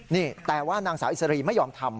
นี่แต่ว่านางสาวอิสรีไม่ยอมทำ